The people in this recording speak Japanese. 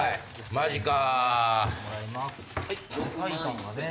マジか。